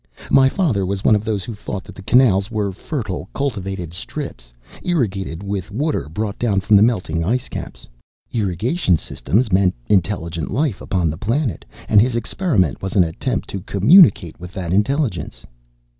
"My father was one of those who thought that the canals were fertile, cultivated strips, irrigated with water brought down from the melting ice caps. Irrigation systems meant intelligent life upon the planet, and his experiment was an attempt to communicate with that intelligence."